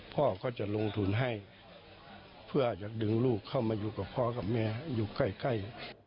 พ่อก็จะลงทุนให้เพื่ออยากดึงลูกเข้ามาอยู่กับพ่อกับแม่อยู่ใกล้